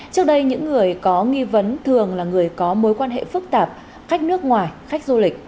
trước đây những người có nghi vấn thường là người có mối quan hệ phức tạp khách nước ngoài khách du lịch